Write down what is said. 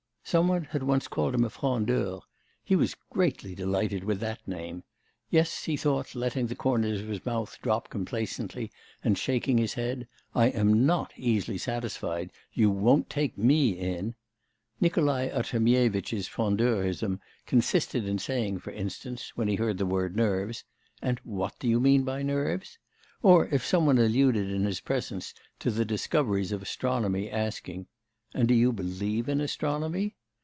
Some one had once called him a frondeur; he was greatly delighted with that name. 'Yes,' he thought, letting the corners of his mouth drop complacently and shaking his head, 'I am not easily satisfied; you won't take me in.' Nikolai Artemyevitch's frondeurism consisted in saying, for instance, when he heard the word nerves: 'And what do you mean by nerves?' or if some one alluded in his presence to the discoveries of astronomy, asking: 'And do you believe in astronomy?